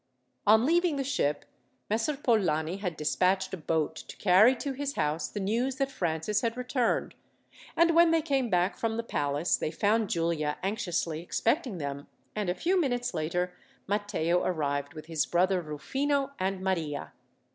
On leaving the ship, Messer Polani had despatched a boat, to carry to his house the news that Francis had returned; and when they came back from the palace they found Giulia anxiously expecting them, and a few minutes later Matteo arrived with his brother Rufino, and Maria.